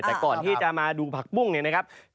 แต่ก่อนที่จะมาดูผักปุ้งเนี่ยนะครับ